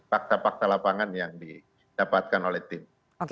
fakta fakta lapangan yang didapatkan oleh tim